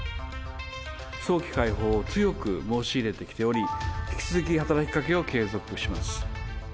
早期解放を強く申し入れてきており、引き続き働きかけを継続します。